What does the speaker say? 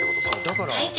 だから。